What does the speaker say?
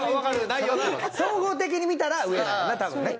総合的に見たら上なんやな多分ね